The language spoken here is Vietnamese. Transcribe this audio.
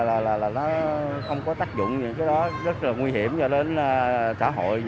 là nó không có tác dụng những cái đó rất là nguy hiểm cho đến xã hội